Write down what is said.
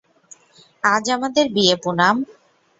আজ আমাদের বিয়ে, পুনাম।